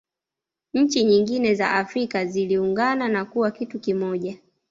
nchi nyingin za afrika ziliungana na kuwa kitu kimoja